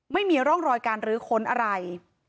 ไม่มีร่องรอยการรื้อค้นอะไร